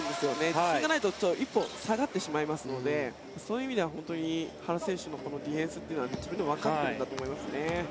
自信がないと一歩下がってしまいますのでそういう意味では本当に原選手のディフェンスは自分でもわかっているんだと思いますね。